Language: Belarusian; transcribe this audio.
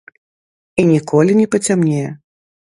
І ніколі не пацямнее.